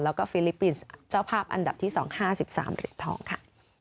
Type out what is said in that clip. แล้วก็ฟิลิปปินส์เจ้าภาพอันดับที่๒๕๓เหรียญทองค่ะ